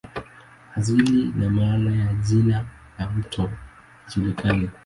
Asili na maana ya jina la mto haijulikani.